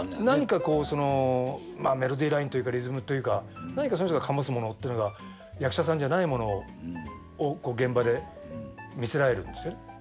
なんかこうそのメロディーラインというかリズムというか何かその人がかもすものっていうのが役者さんじゃないものを現場で見せられるんですよ。